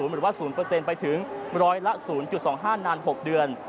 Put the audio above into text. ๑๐๐หรือว่า๐ไปถึง๑๐๐ละ๐๒๕นาน๖เดือน